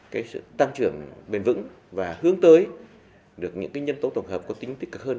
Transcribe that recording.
cái sự tăng trưởng bền vững và hướng tới được những nhân tố tổng hợp có tính tích cực hơn